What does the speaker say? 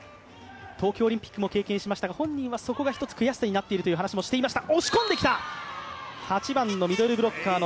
東京オリンピックも経験しましたが、本人はそこが一つ悔しさになっているという話もしていました。